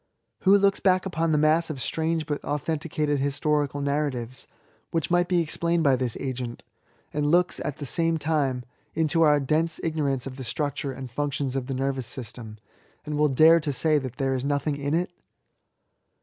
Who looks back upon the mass of strange but authen ticated historical narratives, which might be explained by this agent, and looks, at the same time, into our dense ignorance of the structure and functions of the nervous system, and will dare to say that there is nothing in it?